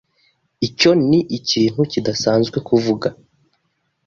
Icyo ni ikintu kidasanzwe kuvuga.